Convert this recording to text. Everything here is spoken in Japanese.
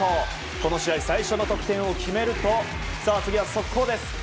この試合、最初の得点を決めると次は速攻です。